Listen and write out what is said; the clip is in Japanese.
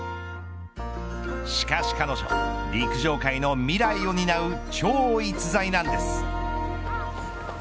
しかし彼女陸上界の未来を担う超逸材なんです。